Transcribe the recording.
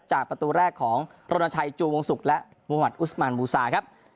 ประตูแรกของโรนชัยจูวงศุกร์และมุมัติอุสมันบูซาครับ